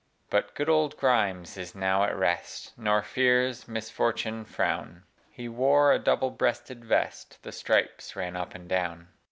But good old Grimes is now at rest, Nor fears misfortune's frown: He wore a double breasted vest The stripes ran up and down.